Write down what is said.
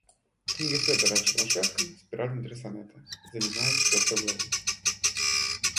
Книга Федора о Чернышевском, - спираль внутри сонета, - занимает четвертую главу.